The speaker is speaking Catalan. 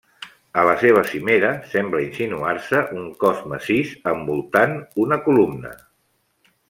A la seva cimera sembla insinuar-se un cos massís envoltant una columna.